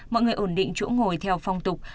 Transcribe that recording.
mọi người ổn định chỗ ngồi theo phong tục